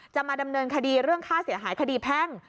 จะมาดำเนินคดีเรื่องค่าเสียหายคดีแพ่ง